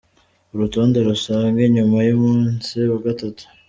Urutonde rusange nyuma y’umunsi wa gatatu.